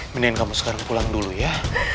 mendingan kamu sekarang pulang dulu ya